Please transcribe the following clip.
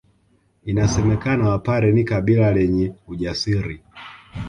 Inasemekana Wapare ni kabila lenye ujasiri